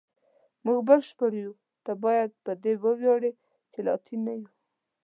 موږ بشپړ یو، ته باید په دې وویاړې چې لاتین نه یې.